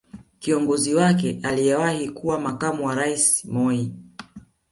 Kiongozi wake aliyewahi kuwa makamu wa rais Moi